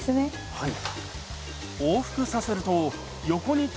はい。